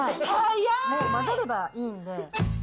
もう、混ぜればいいんで。